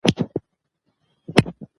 دا دستګاه خوندي ده.